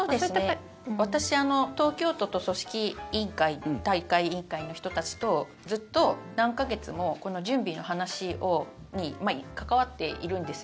私、東京都と組織委員会大会委員会の人たちとずっと何か月も準備の話に関わっているんです。